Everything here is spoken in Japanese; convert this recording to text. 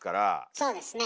そうですね。